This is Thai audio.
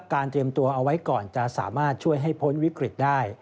เตรียมตัวเอาไว้ก่อนจะสามารถช่วยให้พ้นวิกฤตได้